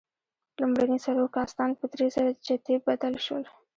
لومړني څلور کاستان په درېزره جتي بدل شول.